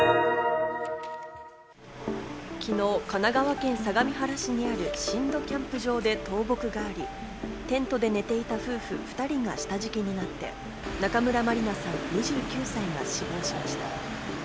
昨日、神奈川県相模原市にある新戸キャンプ場で倒木があり、テントで寝ていた夫婦２人が下敷きになって、中村まりなさん、２９歳が死亡しました。